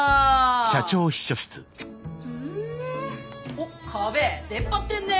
おっ壁出っ張ってんね。